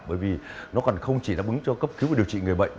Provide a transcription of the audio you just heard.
bởi vì nó còn không chỉ đáp ứng cho cấp cứu và điều trị người bệnh